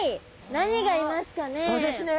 何がいますかね？